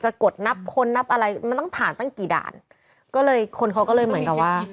กดนับคนนับอะไรมันต้องผ่านตั้งกี่ด่านก็เลยคนเขาก็เลยเหมือนกับว่า